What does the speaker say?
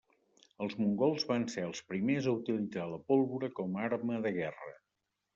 Els mongols van ser els primers a utilitzar la pólvora com a arma de guerra.